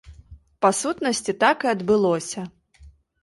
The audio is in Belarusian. Па сутнасці, так і адбылося.